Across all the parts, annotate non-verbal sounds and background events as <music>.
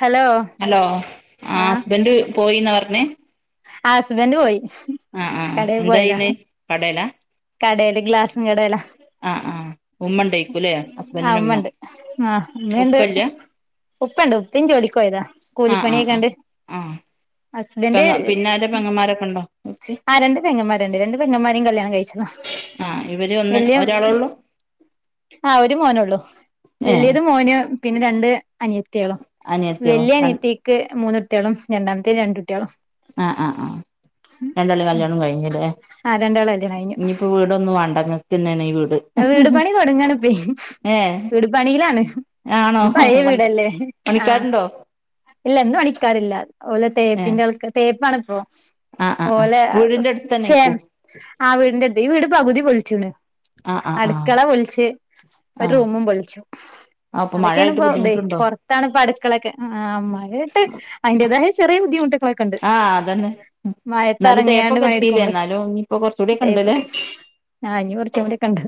Hello hello ആ husband പോയിന്നാ പറഞ്ഞേ ആഹ ഹസ്ബൻഡ് പോയി ആഹ് ആഹ് എന്താ ചെയ്യുന്നേ കടെലാ കടെല് ഗ്ലാസും കടെലാ ആ ഉമ്മ ഉണ്ടായിക്കൂല്ലേ ആ ഹസ്ബൻഡിന്റെ ഉമ്മ ഇമ്മണ്ട് ആഹ് ഇമ്മയുണ്ട് ഉപ്പല്ല ഉപ്പണ്ട് ഉപ്പിം ജോലിക്ക് പോയതാ ആ ആ ആ കൂലിപ്പണിയ്ക്കാണ്ട്. ആ ഹസ്ബൻഡ് പെങ്ങ പിന്നെ ആരേലും പെങ്ങന്മാരൊക്കെ ഉണ്ടോ ഓൽക്ക് ആഹ രണ്ട് പെങ്ങന്മാര്ണ്ട് രണ്ട് പെങ്ങന്മാരൊ കല്യാണം കഴിച്ചതാ ആ ഇവര് ഒന്ന് വലൃ ഒരാളെ ഉള്ളൂ ആഹ് ഒരു മോനേ ഉള്ളൂ ഏ വലിയത് മോന് പിന്നെ രണ്ട് അനിയത്തൃളളും അനിയത്തികളോ വലിയ അനിയത്തി ആ ക്ക് മൂന്ന് കുട്ടൃളും രണ്ടാമത്തെ രണ്ട് കുട്ടിയളും ആഹ് ആഹ് ആഹ് രണ്ടാളിം കല്യാണം കഴിഞ്ഞില്ലേ ആ രണ്ടാളെ കല്യാണം കഴിഞ്ഞു ഇനിയിപ്പോ വി വീടെന്നു വണ്ട ഇങ്ങക്ക് തന്നെയാണ് ഈ വീട്. വീട് പണി തുടങ്ങാണ്പ്പേ ഏ വീട് പണിയിലാണ് ആണോ ഇത് പഴയ പണി വീടല്ലേ ആഹ് പണിക്കാരുണ്ടോ ഇല്ല ഇന്ന് പണിക്കാറില്ല ഒല് ഏ തേപ്പിന്റെ തേപ്പാണ് ഇപ്പോ ആ ആ ആ ഓലെ വീടിന്റെ അടുത്ത് തന്നെയായിക്കോ ഫേം ആ വീടിന്റെ ഈ വീട് പകുതി പൊളിച്ച്ണ് ആ ആ ആ അടുക്കള പൊളിച്ച് ഒരു ആ റൂമും പൊളിച്ചു ആ അപ്പൊ അതൊക്കെയാണ് മഴയായിട്ട് ഇപ്പം ഇതെ ബുദ്ധിമുട്ടുണ്ടോ ത്താണ് ഇപ്പോ അടുക്കളൊക്കെ ആ മഴയത്ത് അതിന്റേതായ ചെറിയ ബുദ്ധിമുട്ട് ആ അതെന്നെ ഇന്നാലും ഇറങ്ങിയാണ്ട് തേപ്പക്കെ എത്തിയില്ലേ പണിയെടുക്കുമ്പള് ഇന്നാലും ഇനിയിപ്പോ കൊറച്ചുകൂടിയെക്കെ തേപ്പ് ഇണ്ട്ല്ലേ. ആ ഇഞ്ഞ് കെറച്ചുടി ഒക്കെ ഇണ്ട്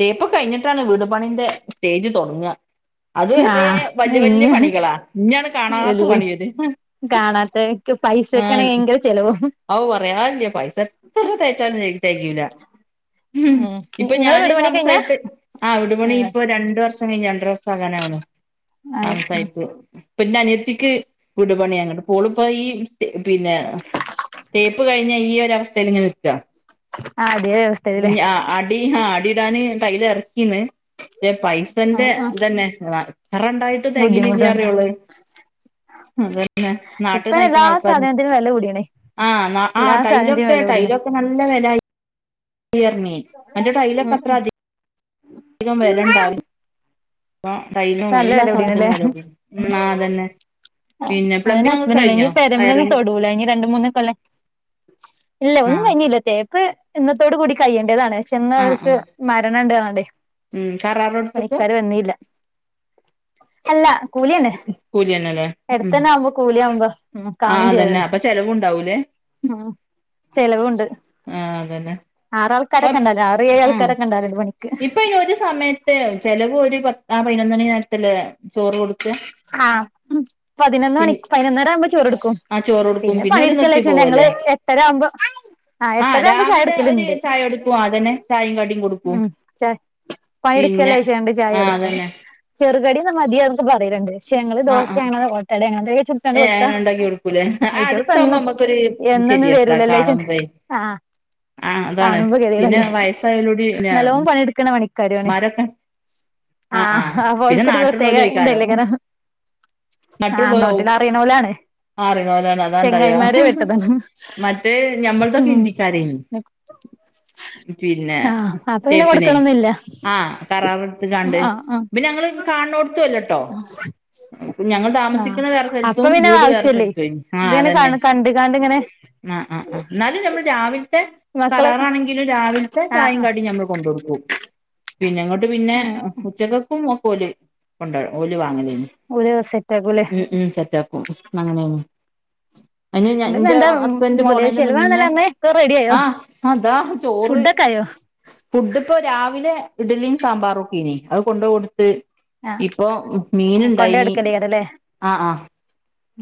തേപ്പ് കഴിഞ്ഞിട്ടാണ് വീട് പണിന്റെ സ്റ്റേജ് തെടങ്ങ അത് ആ വരേ വല്യ വല്യ ഇഞ്ഞ് പണികളാ ഇഞ്ഞണ് കാണാത്ത പണി വരാ കാണാത്ത പൈസൊക്ക് ഭയങ്കര ചെലവും ഔ പറയാല്ല പൈസ എത്ര തേച്ചാലും തകയൂ തകയൂല ഉം ഇപ്പൊ നിങ്ങളെ ഞാന് വീട് പണി കഴിഞ്ഞാ താമസായിട്ട് ആ വീടു പണി ആ ഇപ്പോ രണ്ടു വർഷം കഴിഞ്ഞ് രണ്ടര വർഷം ആകാനാവ്ണ് താമസയിട് പിന്നെ അനിയത്തിക്ക് വിട്പണിയണ് ഓളിപ്പോ ഈ പിന്നെ തേപ്പ് കഴിഞ്ഞാ ഈ ഒര് ആവസ്ഥയിൽ ഇങ്ങനെ നിക്ക ആ അതേ അവസ്ഥയിലല്ലേ ഞ്ഞ് അസ അടി ആഹ് അടിയിടാന് ടൈല് ആറക്കിണ് പക്ഷേ പൈസന്റെ ആ ആ ഇതന്നെ എത്രറെണ്ടായിട്ടും ബുദ്ധിമുട്ടുണ്ട് തെകയിണില്ലറിയാണോള്ളേ അതന്നെ നാട്ട് നയിക്ക്ണ ആൾക്കാർ എല്ലത്തിനും വേല കൂടിന് ആഹ് ന് ആഹ ടൈലൊക്കെ ടൈലൊക്കെ നല്ല വില <unintelligible> അതിന്റെ ടൈയിലൊക്കെ ഉം അത്ര ഉം അധികം വെലണ്ടാവുല്ല ഇതിപ്പോ ടൈലും നല്ല എല്ലാ വില കൂടിയണല്ലേ സ്വദത്തിനും വെല കൂടി ആഹ അതന്നെ അ പിന്നെ അതന്നെ പ്ലംബിംഗ് ഒക്കെ ഹസ്ബന്റ് പറഞ്ഞെ ഇനി കഴിഞ്ഞോ പെരമെലോന്നും വയറിങ് തൊടൂല ഇനി രണ്ട് മൂന്ന് കൊല്ല ഇല്ല ആ ഒന്നും കയിഞ്ഞില്ല തേപ്പ് ഇന്നത്തോട് കൂടി കഴിയേണ്ടതാണ് ഇന്ന് ആ ആ അവർക്ക് മരണം ഇണ്ട്പറഞ്ഞണ്ടേ ഉം കരാറെടുത്തപ്പോ പണിക്കാര് വന്നീല്ല അല്ല കൂലിന്നെ കൂലിന്നെല്ലേ എടത്തേന്നെവുമ്പോ കൂലിയാവുമ്പോ കാണും അതന്നെ ചെയ്യാല്ലോ അപ്പൊ ചെലവുണ്ടാവൂലേ ഉം ചെലവുണ്ട്. ആഹ് അതന്നെ ആറാൾക്കാരൊക്കെണ്ട് ഒരു ആറ് ഏഴ് ആ ആൾക്കാരൊക്കെ ഉണ്ട് ഒരു പണിക്ക്. <unintelligible> ചെിലവ് ഒരു പത്ത് ആ പതിനൊന്നണി നേരത്തില് ചോറ് കൊടു ആഹ പതിനൊന്ന് പി മണിക്ക് പതിനൊന്നര ആവുമ്പോ ചോറെടുക്കും. ആ ചോറ് കൊടുക്കും പിന്നെ ഓല് നിർത്തി പണിയെടുക്കല്ലേച്ങ്ങാണ്ട് ഞങ്ങള് പോവല്ലേ എട്ടര ആവുമ്പോ ആഹ് ആ എട്ടരാവവുമ്പോ രാവിലെ ഒരു ചായടുക്കലുണ്ട്. ചായ കൊടുക്കും അതന്നെ ചായയും കടിയും കൊടുക്കും ഉം ച പിന്നെ പണിയെടുക്കല്ലേ വിചാരിച്ചു ചായ ആ കൊടുക്കും. അതന്നെ ചെറുകടി മതിന്നൊക്കെ പറയലുണ്ട് പക്ഷേങ്ങള് ആ ദോശ ആ ങ്ങ്ങള് ഓട്ടട അങ്ങ ഇ ഏ കൊടുത്ത അങ്ങനെ ഉണ്ടാക്കി കൊടുക്കൂലേ ആ അടുത്താവുമ്പോ ആയിറ്റള്പെന്നും നമ്മക്കൊരു എന്നെന്നും ഗതികേടാ വരൂലല്ലോച് കാണുമ്പേ ങ്ങാണ്ട് ആ ആ അതാണ് കാണുമ്പോ പിന്നെ കെതിടല്ലേ വയസ്സായോലോടി നല്ലോം പണിടുക്കണ പണിക്ക്. പണിക്കാരും ആണ് ഉമ്മാരൊക്കെ ആ ആ ആഹ് ഓൽ പിന്നെ കൊരു പ്രത്യേക നാട്ടിലുള്ളോലും ഇന്ത്ല്ല അയ്ക്കാരം കരം ആഹ് നാട്ടിലുള്ളോലാവും നാട്ടില് അറീണോലാണ്. അറിണോലാണ് അതാണ്ടാക മറ്റേ ഞമ്മൾതൊക്കെ ഉം ഇന്ദിക്കാരേനി. പിന്നെ ആഹ് അപ്പൊ പിന്നെ തേപ്പിനെ. കൊടുക്കണൊന്നില്ല ആഹ് കരാറെടുത്ത് കാണ്ട് ആഹ് ആഹ് പിന്നൊ ങ്ങള് കാണ്‌ണോടുത്തുവല്ലോട്ടോ <inaudible> ആഹ് വേറെ അപ്പൊ സ്ഥലത്തും പിന്നെ വീട് വേറെ ആവശ്യല്ലേ സ്ഥലത്തുംയ്നി ഇതിങ്ങനെ ക കണ്ട കാണ്ട്ങ്ങനെ ആഹ ആ് ആ എന്നാലും നഞമ്മൾ രാവിലത്തെ മക്കള് കരാറാണെങ്കിൽ രാവിലത്തെ ആഹ് ചായം ആഹ് കടി ഞമ്മൾ കൊണ്ട് കൊടുക്കും. പിന്നെ അങ്ങോട്ട് പിന്നെ ഉം ഉച്ചക്കക്കും ഒക്കെല്. കൊണ്ട ഓല് വാങ്ങലയ നിഉം ഓല് സെറ്റ് ആക്കൂല്ലേ ഉം തെറ്റക്കും അങ്ങനെയ അതിന് ഞാ എന്നിട്ട് ഇന്റെ എന്താ ഹസ്ബൻഡ് മോലെ പോണന്റെ ചെലവാണല്ലോ മുന്നേ അമ്മേ ഒക്കെ ആഹ അതാ ചോറ് കയോ ഫുഡ്പ്പൊ രാവിലെ ഇഡ്ലിയും സാമ്പാറൊക്കീനെ അത് കൊണ്ട് കൊടുത്ത്. ആഹ് ഇപ്പൊ കൊണ്ടോയി മീൻണ്ടായിനി കൊടുക്കലേക്കാരല്ലേ ആ ഹ്ആ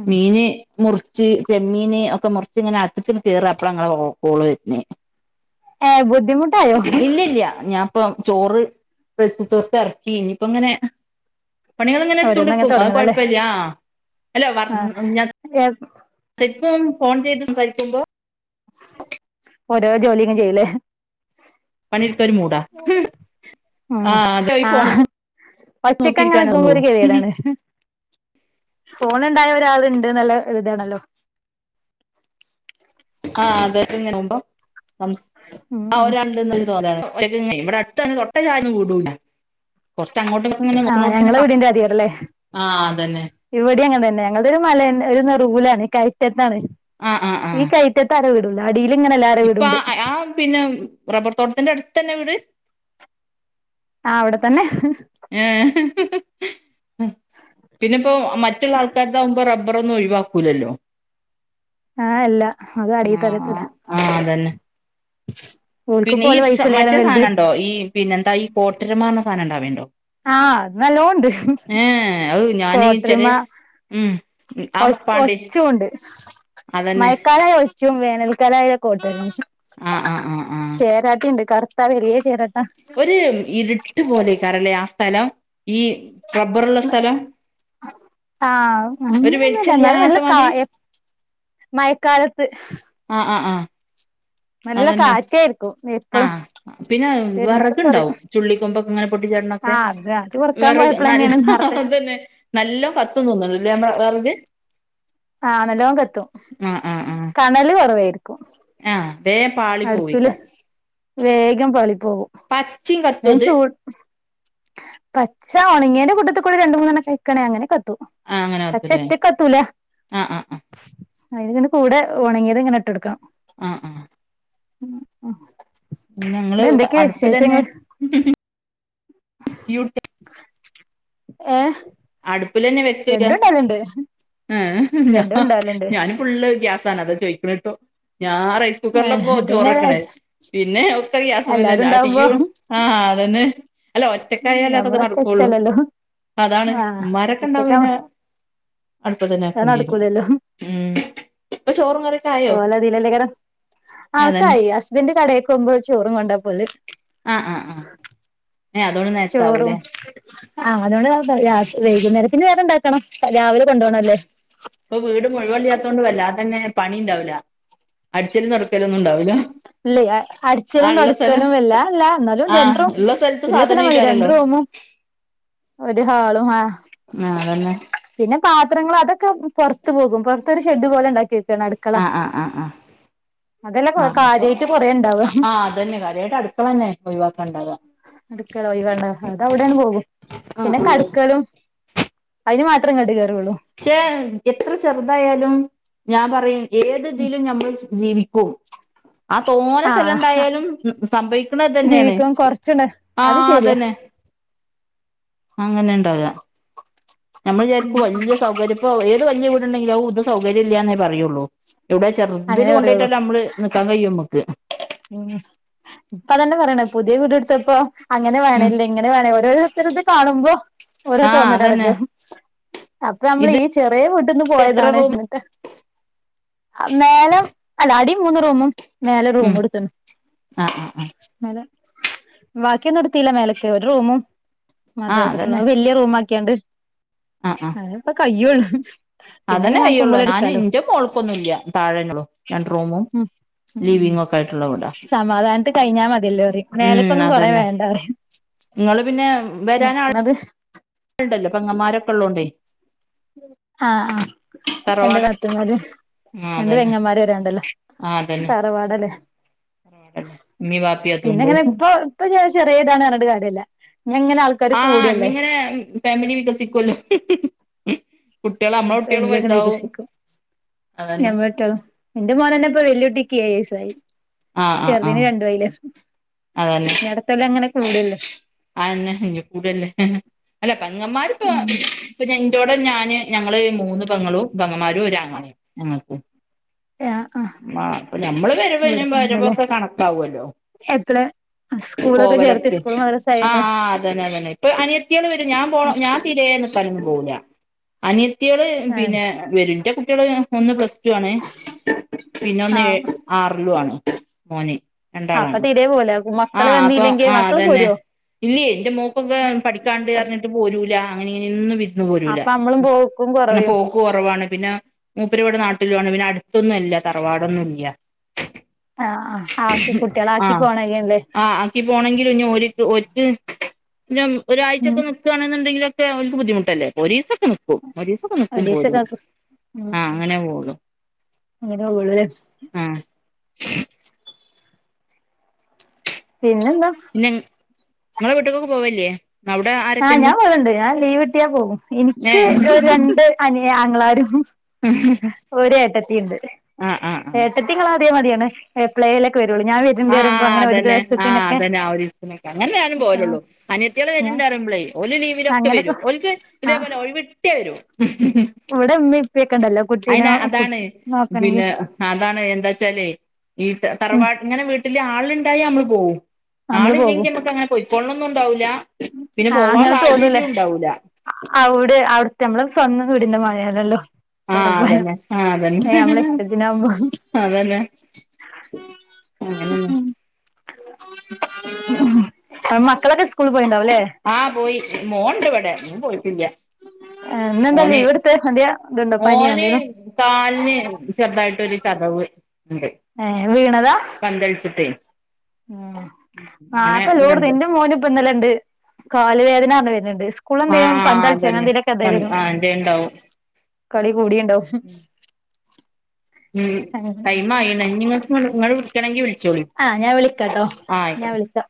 ഉം മീന് മുറിച്ച് ചെമ്മീന് ഒക്കെ മുറിച്ച്ങ്ങനെ അക്ത്ങ്ങനെ കേറ അപ്പളാ ങ്ങള കോളുറ്റെ ഏഹ് ബുദ്ധിമുട്ടായോ ഇല്ലല്ല ഞാൻ ഇപ്പം ചോറ് റൈസ്കുക്കർക്ക് ഇറക്കി ഇപ്പ അങ്ങനെ. പണികൾ ഇങ്ങനെ ഓരോന്നങ്ങ് എടുത്തണ്ട്ടുക്കും അത് തൊടങ്ങണല്ലേ കുഴപ്പല്ല. ആഹ് അത്പ്പം ഫോൺ ചെയ്ത് സഹിക്കുമ്പോ. ഓരോ ജോലിങ്ങനെ ചെയ്ലേ. പണിടുക്കൻ ഒരു മൂടാ. ഉം ആഹ് അത് ഈ ആന് ഫോണ്ക്ക് ഒറ്റക്കെ നോക്കിയിരിക്കാനേ അങ്ങനൊക്കുമ്പോ തോന്നൊള്ളൂ ഒരു കെഥി തേടാണ്. ഫോണ് ണ്ടായ ഒരാള്ണ്ട്ന്ന്ള്ള ഒരിതാണല്ലോ? ആഹ് അതൊക്കെ ഉം ഉം <unintelligible> തോന്നാണ് ഇവിടെ <unintelligible> ആഹ് ഞങ്ങളെ കൊർച്ചങ്ങട്ടുഇങ്ങട്ടും <unintelligible> ആ അതന്നെ ഇവിടിം അങ്ങനെത്തന്നെ ഞങ്ങൾതൊരു മലന്റെരു നെറൂലാണ് കയറ്റത്താണ്. ആഹ് ആഹ് ഈ ആഹ് കയറ്റത്ത് ആരവിടുല്ല അടിയിൽങ്ങനെ എല്ല രവിടുംണ്ട്. പിന്നം റബ്ബർ തോട്ടത്തിന്റെ അടുത്തെന്നെ വീട് ആ അവിടെ തന്നെ ഏഹ് ഉം പിന്നെപ്പോ മറ്റുള്ള ആൾക്കാരതാകുമ്പോ റബ്ബറൊന്നും ഒഴിവാക്കൂലല്ലോ ആഹ് അല്ല അത് അടീ തളിർത്തതാ ആ അതന്നെ പിന്നെ ഈ മറ്റേ സാനംണ്ടോ ഈ പിന്നെന്താ ഈ കോട്ടരുമാർന്ന സാനണ്ടാവല്ണ്ടോ ആഹ് അത് നല്ലോണ്ട്. അത് ഞാനീ ചെല കോട്ടരുമ ഉം ആ ഒ മപ്പാണ്ടി ഒച്ചൂണ്ട്. അതന്നെ മയക്കാലായാ ഒച്ചും വേനൽക്കാലായാ കോട്ടരുമിം ആഹ് ആഹ് ആഹ് ചേരാട്ട്ടീണ്ട് കറുത്ത ആ വല്യ ചേരാട്ട ഇരിട്ട് പോലേക്കാരല്ലേ ആ സ്ഥലം ഈ റബ്ബറ്ള്ള സ്ഥലം ആഹ് ഒരു അങ്ങനൊന്നുല്ല ന്നാലും നല്ല വെളിച്ചല്ലാത്ത കാ മാതിരി എപ്പ്‌ മഴക്കാലത്ത് ആഹ് ആഹ് ആഹ് നല്ല അതന്നെ കാറ്റായിരിക്കും എപ്പളും ആഹ് പിന്നെ വരുന്നോര് പറയും വറക്ണ്ടാവും ചുള്ളിക്കൊമ്പൊക്കെങ്ങനെ പൊട്ടിച്ചാടണൊക്കെ ആഹ് അത് അത് പറക്കാൻ വിറക് നല്ല പോയപ്പളന്നെയാണ് നേർത്തെ അതന്നെ നല്ലോം കത്തും തോന്നുണ്ണ്ട്ല്ലേ നമ്മളെ വറക് ആഹ് നല്ലോം കത്തും ആഹ് ആഹ് ആഹ് കണല് കുറവായിരിക്കും ആഹ് വേം പാളി അടുപ്പില് പോവേക്കാരം വേഗം പാളി പോകും പച്ചിം കത് ഞാൻ ചൂട് പച്ച ഉണങ്ങിയന്റെ കൂട്ടത്ത്ക്കൂടെ രണ്ട് മൂന്നണ്ണം വക്കാണേ അങ്ങനെ കത്തു ആഹ് അങ്ങനെ കത്തുല്ലേ പച്ചൊറ്റക്കത്തൂല ആഹ് ആഹ് ആഹ് അയിതിന്റെ കൂടെ ഉണങ്ങിയത്ങ്ങനെ ഇട്ടൊട്ക്കണം ആഹ് ആഹ് ഉം ആഹ് ഞങ്ങള് അടുപ്പിലെന്നെ തിയ്‌ ഏഹ് അടുപ്പിലെന്നെ വെക്കില്ല രണ്ടും ഉണ്ടാവലുണ്ട് ഏഹ് ഞാ രണ്ടും ഉണ്ടാവലുണ്ട് ഞാനും ഫുള്ള് ഗ്യാസാണതാ ചോയ്ക്ക്ണിട്ടോ ഞാൻ റൈസ് ഏഹ് കുക്കറ്ലപ്പോ ഇത് പിന്നെ ചോറക്ക്ണേ പിന്നെ ഒക്കെ എല്ലാരും ഗ്യസ്മ്മെലെന്നാ ആഹ് ഉണ്ടാവുമ്പോ തീയ്യും ആഹ് അതന്നെ അല്ല ഒറ്റക്കായാലതൊക്കെ ഞമ്മള് ഒറ്റ നടക്കുള്ളൂ ഇഷ്ടല്ലല്ലോ അതാണ് ആഹ് മ്മാരൊക്കണ്ടാവുമ്പൊ പിന്നെ ഒറ്റക്കാവുമ്പോ അടുപ്പത്തന്നെ വക്കണ്ടേരും ഉം ഇപ്പൊ ചോറും കറിയൊക്കെ ആയോ ഓലതീലല്ലേക്കാരം അതന്നെ ആക്കായാസ് തിന്റെ കടേക്കോവുമ്പോ ചോറും കൊണ്ടാ പോല് ആഹ് ആഹ് ആഹ് ഏഹ് അതുകൊണ്ട് നേരത്തെ ചോറും ആവൂല്ലേ ആഹ് അതോണ്ട് കൊഴ്പ്പല്ല രാ വൈകുന്നേരത്തിന് വേറെണ്ടാക്കണം രാവിലെ കൊണ്ടോണല്ലേ പ്പൊ വീട് മുഴുവല്യാത്തോണ്ട് വല്ലാതന്നെ പണിണ്ടാവൂല അട്ച്ചലും തൊട്ക്കലൊന്നുണ്ടാവൂല ഇല്ല അടിച്ചലും തൊടക്കലും വല്ലാതല്ല ന്നാലും ആഹ് രണ്ട് റൂം ഇള്ള സ്ഥലത്ത് ഇല്ല സ്ഥലം മതി രണ്ട് സാധനയ്ക്കാരല്ലോ റൂമും ഒര് ഹാളും ആഹ് ആഹ് അതന്നെ പിന്നെ പാത്രങ്ങള് അതൊക്കെ പൊർത്ത് പോകും പൊർത്തൊരു ഷെഡ് പോലെണ്ടാക്കി അടുക്കള ആഹ് ആഹ് ആഹ് ആഹ് അതെല്ല കൊ ആഹ് അപ്പൊ കാര്യായ്ട്ട് കൊറേണ്ടാവ ആഹ് അത്തെന്നെ കാര്യായിട്ട് അടുക്കളന്നെ ഒഴിവാക്കേണ്ടകാ അടുക്കള ഒയിവാണ്ട അത് അവിടെയാണ് പോകും ആഹ് പിന്നെ ആഹ് കടുക്കലും അതിന് മാത്രം ഇങ്ങട്ട് കേറുള്ളൂ ക്ഷേ എത്ര ചെറുതായാലും ഞാൻ പറയും ഏത് ഇതിലും നമ്മൾ സ് ജീവിക്കും ആഹ് തോന ആഹ് സ്ഥലോണ്ടായാലും ഉം ഉം സംഭവിക്കണ ഇതന്നെണ് ഇപ്പം കൊറച്ച്ണ്ട് അത് ശരിയാ അങ്ങനെ ണ്ടാകാ നമ്മൾ ഉം വിചാരിക്കും വലിയ സൗകര്യ ഇപ്പൊ ഏത് വലിയ വീടുണ്ടെങ്കിലും ഔ ഇത് സൗകര്യം ഇല്യാന്നേ പറയുള്ളൂ എവിടെ ചെറുതില് അങ്ങനെ പറയുള്ളൂ കൊണ്ടയിട്ടാലും നമ്മള് നിക്കാൻ കഴിയും മക്ക് ഉം ഇപ്പതന്നെ പറയണ് പുതിയ വീട് എടുത്തപ്പോ അങ്ങനെ ഉം വേണല്ലേ ഇങ്ങനെ വേണ ഓരോരുത്തരത് കാണുമ്പോ ഓരോ ആഹ് അതന്നെ തോന്നലാണല്ലോ അപ് ഇപ്പ നമ്മള് ഇത് ഈ ചെറിയ വീട്ടിന്ന് എത്ര പോയതാണ് റൂം എന്നിട്ട് മേലം അല്ല അടി മൂന്ന് റൂമും മേലെ ഉം റൂമുടു ത്തണ് ആഹ് ആഹ് ആഹ് മേലെ ബാക്കിയൊന്നും എടുത്തില്ല. മേലക്ക് ഒരു റൂമും മാത്രം ആഹ് എടുത്തിട്ടുള്ളൂ അതന്നെ അത് വല്യ റൂം ആക്കിയാണ്ട് ആഹ് ആഹ് അതിപ്പോ കയ്യുള്ളൂ പിന്നെ അതന്നെ ഇങ്ങനെ ആക്കം കയ്യുള്ളൂ പോലെ ഞാനും എടുക്കാലോ ഇന്റെ മോൾക്കൊന്നും ഇല്ല താഴന്നെള്ളൂ. രണ്ട് റൂമും ഉം ഉം ലീവിംങ്ങൊക്കെ ആയിട്ടുള്ള വീടാ സമാധാനത്തി കഴിഞ്ഞാ മതിയല്ലോ പറയും മേലക്കൊന്നും കുറേ വേണ്ട പറയും. ഇപ്പ പിന്നെ വരാൻ ആയ് <unintelligible> നിക്കണത് ട്ടൊണ്ടല്ലോ പങ്ങന്മാരൊക്കെ ഉള്ളകൊണ്ടേ ആഹ് ആഹ് രണ്ട് നാത്തൂമ്മാര് ആഹ് രണ്ട് അതന്നെ പെങ്ങന്മാര് വരാന്ണ്ടല്ലേ ആഹ് അതന്നെ തറവാടല്ലേ? പാടല്ലേ ഉമ്മീം വാപ്പിം അതുണ്ട് പിന്നെങ്ങനെ ഇപ്പോ ഇപ്പോ ചെ ചെറിയതാണ് പറഞ്ഞിട്ട് കാര്യയില്ല ഞങ്ങന ആൾക്ക ആഹ് ഞ്ഞി ഇങ്ങന മ്മ് ഫാമിലി വികസിക്കുവല്ലോ? കുട്ടികള് ഉം നമ്മളെ കുട്ടികളും ഫാമിലി അങ്ങന വലുതാവും വികസിക്കും അതന്നെ ഞാൻ പെറ്റൊളും എന്റെ മോന് തന്നെ ഇപ്പൊ വല്യകുട്ടിക്ക് ഏയ് വയസായി ആഹ് ആഹ് ചെറുതിന് ആഹ് രണ്ടും ആയില്ലേ? ഇനി അടുത്ത കൊല്ലം അങ്ങനെ കൂടുവല്ലോ? അതന്നെ ഇഞ്ഞി കൂട്വല്ലേ അല്ല പെങ്ങമാരിപ്പോ ഉം <unintelligible> ഇപ്പ ഞാൻ എന്റെകൂടെ ഞാന് ഞങ്ങള് മൂന്ന് പെങ്ങളും പെങ്ങമാരും ഒരാങ്ങളേം ഞങ്ങക്ക് ആഹ് ആഹ് മാ അപ്പ ഞമ്മള് പെരവരു ഇവിടത്തങ്ങനല്ലേ വരുമ്പൊക്കെ കണക്കാകുവല്ലോ എപ്പള് സ്കൂളൊക്കെ ചേർത്ത് പോവലൊക്കെ സ്കൂള് ആഹ് മദ്രസായന്നെ ആഹ് ആഹ് അതന്നെ അതന്നെ ഇപ്പ അനിയത്തികള് വരും ഞാൻ പോണോ ഞാൻ തീരെ നിക്കാനൊന്നും പോവൂല്ല അനിയത്തികള് പിന്ന ആഹ് വരും എന്റെ കുട്ടികള് ഒന്ന് പ്ലസ് ടു ആണെ പിന്നെ ഒന്ന് ഏ ആഹ് ആറിലു ആണ് മോന്. അപ്പൊ രണ്ടാളാണ് തീരെ പോവൂല മക്കള് ആഹ് അപ്പൊ വന്നില്ലെങ്കി ആഹ് മക്കള് അതന്നെ. പോരോ ഇല്ലേ എന്റെ മോക്കൊക്കെ പഠിക്കാണ്ട് പറഞ്ഞിട്ട് പോരൂല അങ്ങനെഇങ്ങനെ എനും വരി ദ് പോരൂല്ല അപ്പൊ നമ്മളും പോക്കും ന്നപോ കൊറയും ക്കു കുറവാണ് പിന്ന മൂപ്പരിവിടെ നാട്ടിലുവാണ് പിന്ന അടുത്തൊന്നും അല്ല തറവാടൊന്നും ഇല്യ. ആഹ് ആഹ് ആഹ് ആക്കെ കുട്ടികളാക്കി ആഹ് പോണല്ലേ? ആഹ് ആക്കി പോണെങ്കില് ഇനി ഓല്ക്ക് ഒര്ക്ക് സിരം ഒരാഴ്ചെക്കൊ ഉം നിക്ക് ക്കാണെന്നുണ്ടെങ്കിലൊക്കെ ഓല്ക്ക് ബദ്ധിമുട്ടല്ലേ ഒരീസോക്കെ നിക്ക് ക്കും ഒരീസോക്കെ നിക്കും പോലും ഒരീസൊക്കെ ഉം ആഹ് അങ്ങനെ പോകുള്ളൂ. അങ്ങനെ പോകുള്ളൂ ല്ലേ ആഹ് <unintelligible> പിന്നെന്താ ന്നെ നിങ്ങള് വീട്ട്ക്കൊക്കെ പോവലില്ല്യേ ആഹ് ഞാ പോവ് ല്ണ്ട് ഞാൻ ലീവ്ട്ട്യാപോകും എനിക്ക് ഏഹ് ഒ‌രു രണ്ട് അനിയ ആങ്ങളാരും ഉം ഒരു ഏട്ടത്തിണ്ട് ആഹ് ആഹ് ഏട്ടത്തിങ്ങളതേ മതിരാണ് എപ്പളെലൊക്കെ വെരുള്ളൂ ഞാ ആഹ് അതന്നെ ആഹ് അതന്നെ ആഹ് ഒരിസ്ത്തിനൊക്കെ അങ്ങന്നെ ഞാനും ആഹ് പോലൊള്ളൂ. അനിയത്തിയാള് ഞാൻ വരീണ്ടറിമ്പളേ ഓല് ലീവിലൊക്കെ അങ്ങനെയൊക്കെ വരും ഓൽക്കിതേപോലെ ഒയിവിട്ട്യാ വരും. ഇവിടെമ്മിപ്യക്കണ്ടല്ലോ കുട്ടീനെ അയിന് അതാണ് നോക്കണെങ്കി പിന്നെ അതാണ് ന്താച്ചാലേ ഈ ഉം തറവാ ങ്ങനെ വീട്ടിലാളുണ്ടായമ്മള് പോവും. നമ്മള് പോകും ആള്ല്ല്യങ്കി മ്മക്കങ്ങനെ പൊയിക്കൊൾ ണൊന്നുംണ്ടാവൂല പിന്നെ പോവാൻ സാഹചര്യംണ്ടാവൂല അവ്ടെ അവിട്ത്തെ നമ്മള് സ്വന്തം വീടിന്റെ മാരാണെല്ലൊ? ആഹ് അതെന്നെ ആഹ് അതന്നെ ഇഷ്ടത്തിനാവുമ്പോ അതന്നെ അങ്ങനെന്നെ ഉം മക്കളൊക്കെ സ്കൂൾ പോയിണ്ടാവലേ ആഹ് പോയി മോണ്ട് വടെ ഓൻപോയിറ്റില്ല്യ എഹ് ന്നന്തെ ലീവ്ട്‌ത്തെ മടിയ അതിയ തുണ്ടോ പനിയോ മോന് എന്തെലും കാലിന് ചെറുതായിട്ടൊരു ചതവ്ണ്ട് ഏഹ് വീണതാ പന്തളിച്ചിട്ടേ ഉം ആഹ് അങ്ങനെ ഇപ്പൊല്ലോട്ത്തും ഇവിടെണ്ട് ഇന്റെ മോന് ഇപ്പന്നെലെണ്ട് കാല് വേദനാർഞ്ഞ് വെര്ണ്‌ണ്ട് ആഹ് സ്കൂൾല്ന്തെലും ആഹ് പന്തളിച്ച് അതന്നെ അങ്ങനെതിലൊക്കെ ഇതായി വരും ആഹ് എന്തേണ്ടാവും കളി കൂടിണ്ടാവും ഉം അങ്ങനെ ടൈം ആയിണ് ഇനി ഇങ്ങക്ക് ഇങ്ങള് വിളിക്കണെങ്കിൽ വിൾ ആഹ് ഞാൻ വിളിക്കാട്ടോ ഞാൻ വിളിക്കാ